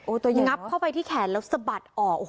ลูกเหลื่องับเขาไปที่แขนและสะบัดออก